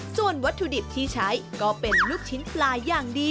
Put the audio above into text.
ส่วนวัตถุดิบที่ใช้ก็เป็นลูกชิ้นปลาอย่างดี